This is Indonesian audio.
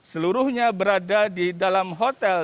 seluruhnya berada di dalam hotel